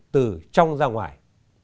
từ trong ra ngoài